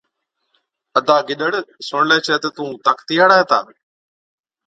ادا گِڏڙ، سُڻلَي ڇَي تہ تُون طاقتِي هاڙا هِتا۔